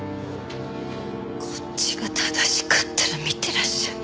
こっちが正しかったら見てらっしゃい。